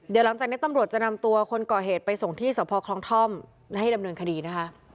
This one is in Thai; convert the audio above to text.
เดี๋ยวหลังจากนี้ตำรวจจะนำตัวคนก่อเหตุไปส่งที่สพคลองท่อมและให้ดำเนินคดีนะคะ